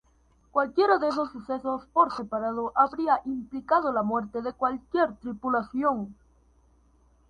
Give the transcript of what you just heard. Cualquiera de esos sucesos por separado habría implicado la muerte de cualquier tripulación.